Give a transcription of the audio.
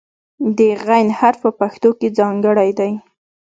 د "غ" حرف په پښتو کې ځانګړی دی.